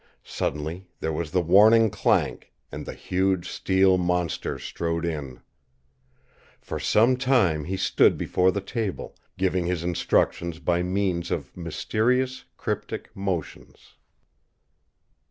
Suddenly there was the warning clank, and the huge steel monster strode in. For some time he stood before the table, giving his instructions by means of mysterious, cryptic motions.